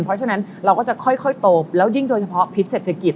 เพราะฉะนั้นเราก็จะค่อยโตแล้วยิ่งโดยเฉพาะพิษเศรษฐกิจ